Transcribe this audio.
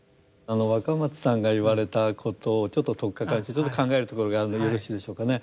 若松さんが言われたことをちょっと取っかかりとしてちょっと考えるところがあるんでよろしいでしょうかね。